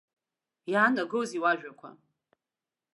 Иаанагозеи уажәақәа?